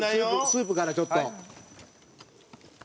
スープからちょっと。